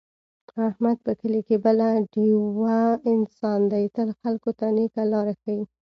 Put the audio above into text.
احمد په کلي کې بله ډېوه انسان دی، تل خلکو ته نېکه لاره ښي.